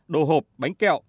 đồ hộp bánh kẹo